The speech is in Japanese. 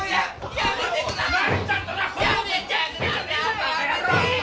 やめてください！